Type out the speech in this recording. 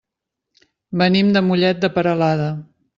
Venim de Mollet de Peralada.